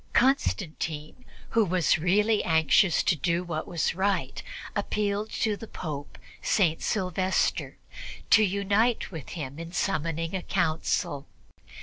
Constantine, who was really anxious to do what was right, appealed to the Pope, St. Sylvester, to unite with him in summoning a Council.